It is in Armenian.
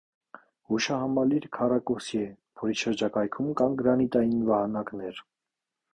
Հուշահամալիրը քառակուսի է, որի շրջակայքում կան գրանիտային վահանակներ։